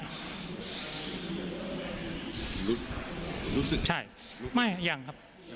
รู้สึก